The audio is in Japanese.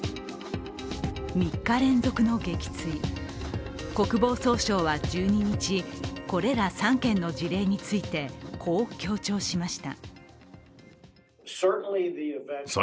３日連続の撃墜、国防総省は１２日、これら３件の事例についてこう強調しました。